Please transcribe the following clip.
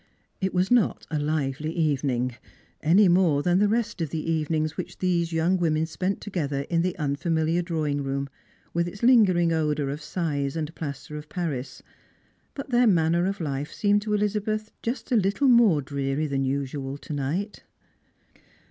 It was not a lively evening, any Strangers and Pilgrims. 21 5 more than the rest of the evenings which these young women ppent together in the nnfamiliar drawing room, with its linger ing odour of size and plaster of Paris ; but tlicir manner of life seemed to Elizabeth just a little more dreary than usual to night.